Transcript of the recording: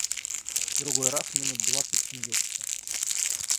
Другой раз минут двадцать смеются.